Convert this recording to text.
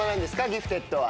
『ギフテッド』は。